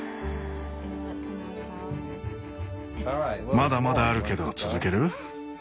まだまだあるけど続ける？